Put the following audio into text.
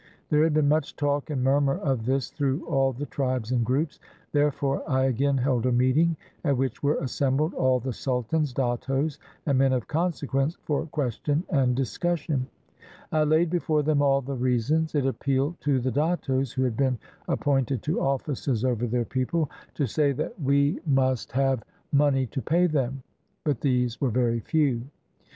There had been much talk and murmur of this through all the tribes and groups. There fore I again held a meeting, at which were assembled all the sultans, dattos, and men of consequence, for question and discussion. I laid before them all the reasons. It appealed to the dattos who had been ap pointed to oflSces over their people, to say that we must 560 PREPARING OUR MOROS FOR GOVERNMENT have money to pay them, but these were very few.